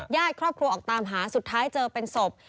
ญาติครอบครัวออกตามหาสุดท้ายเจอเป็นศพ